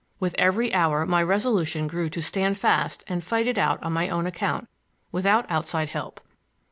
With every hour my resolution grew to stand fast and fight it out on my own account without outside help.